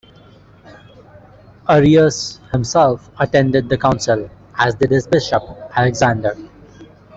Arius himself attended the council, as did his bishop, Alexander.